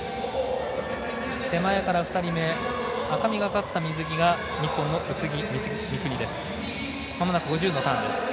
手前から２人目赤みがかった水着が日本、宇津木。